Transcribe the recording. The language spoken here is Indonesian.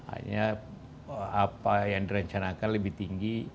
akhirnya apa yang direncanakan lebih tinggi